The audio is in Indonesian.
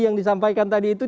yang disampaikan tadi itu